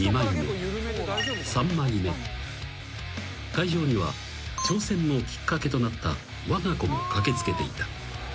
［会場には挑戦のきっかけとなったわが子も駆け付けていた］